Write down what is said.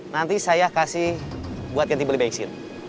nanti saya kasih buat ganti beli bensin